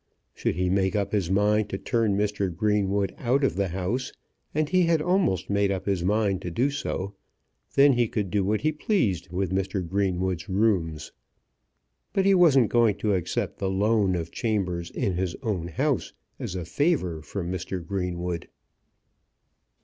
Should he make up his mind to turn Mr. Greenwood out of the house, and he had almost made up his mind to do so, then he could do what he pleased with Mr. Greenwood's rooms. But he wasn't going to accept the loan of chambers in his own house as a favour from Mr. Greenwood.